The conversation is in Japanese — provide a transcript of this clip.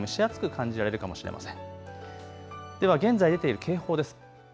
では現在出ている警報です。